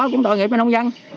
cũng tội nghiệp cho nông dân